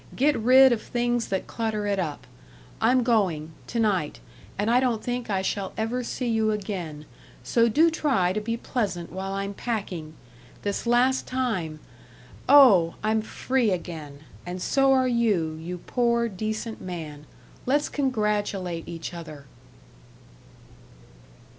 Get rid of things that clutter it up. I'm going, to night, and I don't think I shall ever see you again, so do try to be pleasant while I'm packing. This last time.... Oh, I'm free again. And so are you, you poor, decent man. Let's congratulate each other."